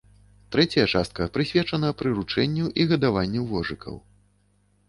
Трэцяя частка прысвечана прыручэнню і гадаванню вожыкаў.